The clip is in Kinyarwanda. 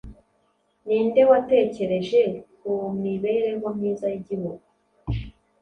Ninde watekereje kumibereho myiza yigihugu